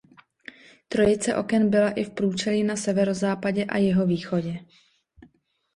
Trojice oken byla i v průčelí na severozápadě a jihovýchodě.